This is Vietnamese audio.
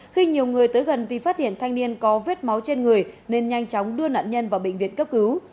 khi nhiều người tới gần thì phát hiện thanh niên có vết máu trên người nên nhanh chóng đưa nạn nhân vào bệnh viện cấp cứu